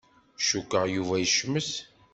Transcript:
Cukkeɣ Yuba yecmet.